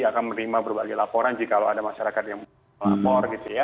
akan menerima berbagai laporan jika ada masyarakat yang melapor gitu ya